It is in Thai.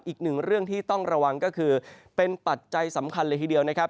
อีกหนึ่งเรื่องที่ต้องระวังก็คือเป็นปัจจัยสำคัญเลยทีเดียวนะครับ